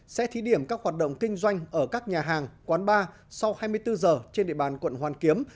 sẽ thí điểm các hoạt động kinh doanh ở các nhà hàng quán bar sau hai mươi bốn giờ trên địa bàn quận hoàn kiếm